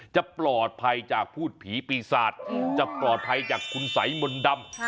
จะปลอดภัยจากพูดผีปีศาจจะปลอดภัยจากคุณสัยมนต์ดำ